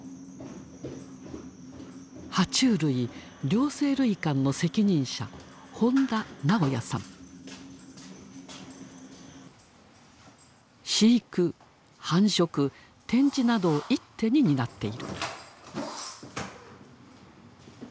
・両生類館の責任者飼育繁殖展示などを一手に担っている。